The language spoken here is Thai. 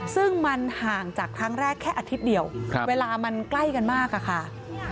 ซึ่งมันห่างจากครั้งแรกแค่อาทิตย์เดียวเวลามันใกล้กันมากอะค่ะ